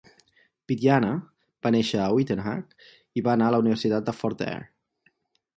Pityana va néixer a Uitenhage i va anar a la Universitat de Fort Hare.